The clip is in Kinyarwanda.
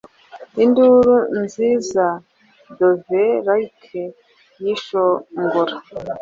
Induru nziza, dovelike yishongora,